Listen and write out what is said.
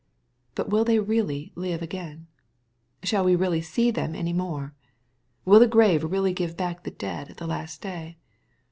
But will they really live again ? Shall^we really see them any more ?^ ^Will the grave really give back the dead at the last day